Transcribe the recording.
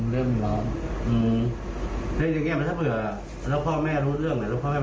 เราอยากจะบอกพ่อแม่ไงไหม